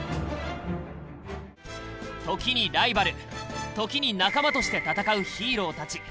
時にライバル時に仲間として戦うヒーローたち。